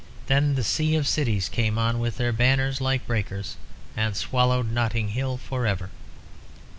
Then the sea of cities came on with their banners like breakers, and swallowed Notting Hill for ever.